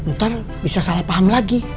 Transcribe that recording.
ntar bisa salah paham lagi